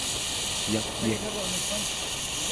一億